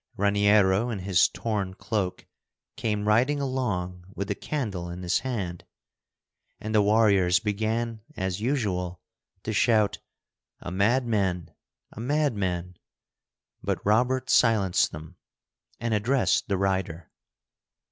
Raniero, in his torn cloak, came riding along with the candle in his hand, and the warriors began as usual to shout, "A madman, a madman!" But Robert silenced them, and addressed the rider.